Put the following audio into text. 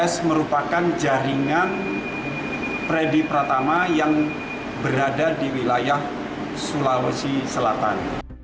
s merupakan jaringan freddy pratama yang berada di wilayah sulawesi selatan